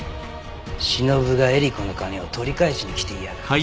しのぶがえり子の金を取り返しに来ていやがった。